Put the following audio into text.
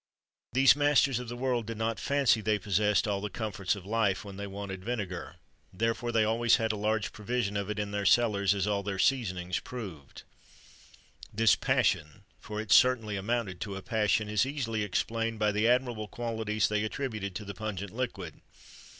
[XXIII 87] These masters of the world did not fancy they possessed all the comforts of life when they wanted vinegar; therefore they always had a large provision of it in their cellars, as all their seasonings proved.[XXIII 88] This passion (for it certainly amounted to a passion) is easily explained by the admirable qualities they attributed to the pungent liquid.